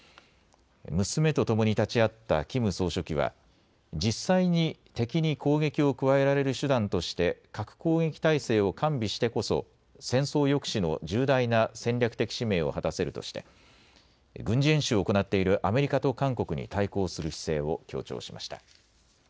娘とともに立ち会ったキム総書記は実際に敵に攻撃を加えられる手段として核攻撃態勢を完備してこそ戦争抑止の重大な戦略的使命を果たせるとして軍事演習を行っているアメリカと韓国に対抗する姿勢を強調しました。